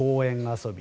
遊び